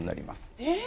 えっ？